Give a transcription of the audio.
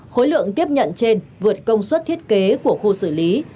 khối lượng tiếp nhận trên vượt công suất thiết kế của khu xử lý